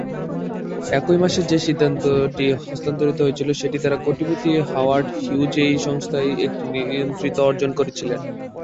একই মাসে যে সিদ্ধান্তটি হস্তান্তরিত হয়েছিল, সেটি দ্বারা কোটিপতি হাওয়ার্ড হিউজ এই সংস্থায় একটি নিয়ন্ত্রণ অর্জন করেছিলেন।